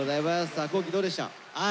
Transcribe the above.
さあ皇輝どうでした？